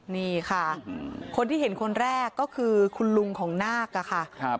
นี่ค่ะคนที่เห็นคนแรกก็คือคุณลุงของนาคอะค่ะ